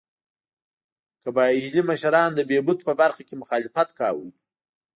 قبایلي مشرانو د بهبود په برخه کې مخالفت کاوه.